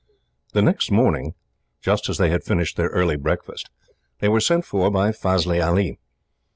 The next morning, just as they had finished their early breakfast, they were sent for by Fazli Ali.